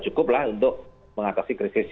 cukup lah untuk mengatasi krisis